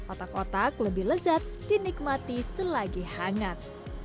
otak otak lebih lezat dinikmati selagi hangat